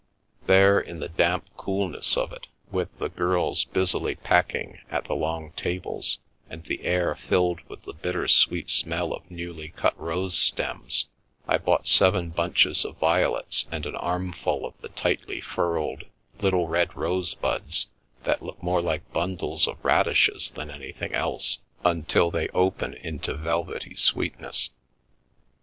There in the damp coolness of it, with the girls busily packing at the long tables and the air filled with the bitter sweet smell of newly cut rose stems, I bought seven bunches of violets and an armful of the tightly furled little red rosebuds that look more like bundles of radishes than anything else, until they open into velvety sweetness.